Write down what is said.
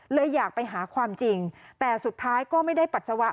อยากไปหาความจริงแต่สุดท้ายก็ไม่ได้ปัสสาวะ